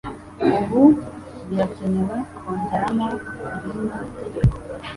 Ubu birakenewe kongeramo irindi tegeko